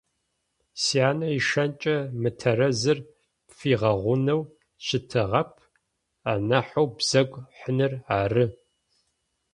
Сянэ ишэнкӏэ мытэрэзыр пфигъэгъунэу щытыгъэп, анахьэу бзэгу хьыныр ары!